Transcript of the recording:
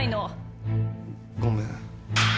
ごめん。